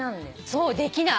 そうできない。